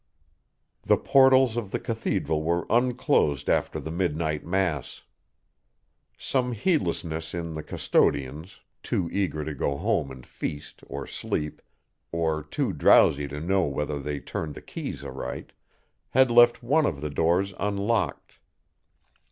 The portals of the cathedral were unclosed after the midnight mass. Some heedlessness in the custodians, too eager to go home and feast or sleep, or too drowsy to know whether they turned the keys aright, had left one of the doors unlocked.